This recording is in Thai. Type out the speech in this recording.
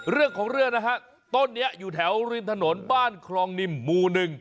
เรื่องของเรื่องนะฮะต้นนี้อยู่แถวริมถนนบ้านคลองนิมหมู่หนึ่ง